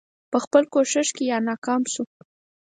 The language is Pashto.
په خپل کوښښ کې یا ناکام شو.